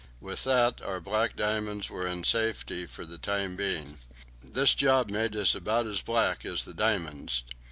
With that our "black diamonds" were in safety for the time being. This job made us about as black as the "diamonds."